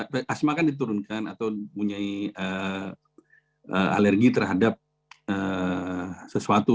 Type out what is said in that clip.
bukan diturunkan atau punya alergi terhadap sesuatu